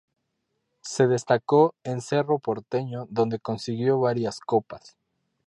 Se destacó en Cerro Porteño donde consiguió varias copas.